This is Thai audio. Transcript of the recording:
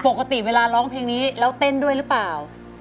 ปกติเวลาร้องเพลงนี้แล้วเต้นด้วยหรือเปล่า